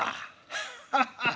ハッハハ。